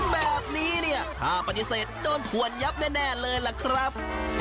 แบบนี้เนี่ยถ้าปฏิเสธโดนถวนยับแน่เลยล่ะครับ